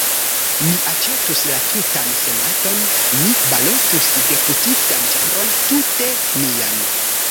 Mi aĉetus la tutan senaton; mi balotus deputitan ĉambron tute mian!